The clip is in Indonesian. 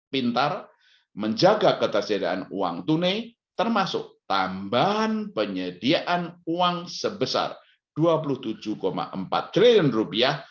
pintar menjaga ketersediaan uang tunai termasuk tambahan penyediaan uang sebesar dua puluh tujuh empat triliun rupiah